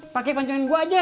pake pancingan gua aja